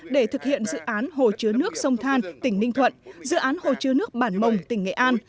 để thực hiện dự án hồ chứa nước sông than tỉnh ninh thuận dự án hồ chứa nước bản mồng tỉnh nghệ an